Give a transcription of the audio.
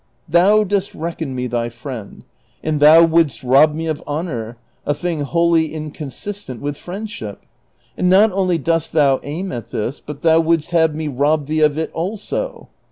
" Thou dost reckon me thy friend, and thou wouldst rob me of honor, a thing wholly inconsistent with friendship; and not only dost thou aim at this, but thou wouldst have me rob thee of it also.